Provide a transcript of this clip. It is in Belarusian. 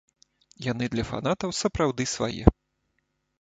Яны для фанатаў сапраўды свае.